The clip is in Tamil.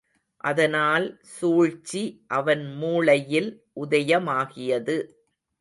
அதனால் சூழ்ச்சி அவன் மூளையில் உதயமாகியது.